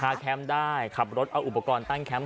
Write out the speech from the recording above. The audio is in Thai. แคมป์ได้ขับรถเอาอุปกรณ์ตั้งแคมป